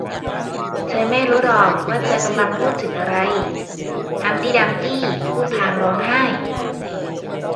เธอไม่รู้หรอกว่าเธอกำลังพูดถึงอะไร ฮัมพ์ตี้ดัมพ์ตี้พูดพลางร้องไห้